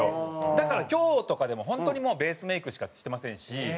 だから今日とかでも本当にもうベースメイクしかしてませんし。